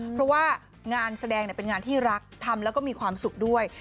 เพราะว่างานแสดงเป็นงานที่รักทำแล้วก็มีความสุขด้วย